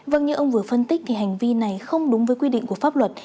vâng như ông vừa phân tích thì hành vi này không đúng với quy định của pháp luật